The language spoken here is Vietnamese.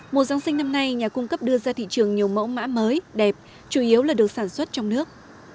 mùa giáng sinh năm nay nhà cung cấp đưa ra thị trường nhiều mẫu mã mới đẹp chủ yếu là được sản xuất trong nước